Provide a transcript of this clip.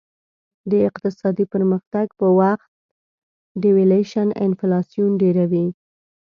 د اقتصادي پرمختګ په وخت devaluation انفلاسیون ډېروي.